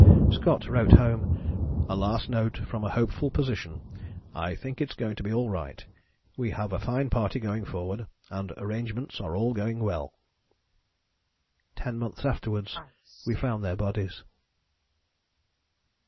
Scott wrote home: "A last note from a hopeful position. I think it's going to be all right. We have a fine party going forward and arrangements are all going well." Ten months afterwards we found their bodies.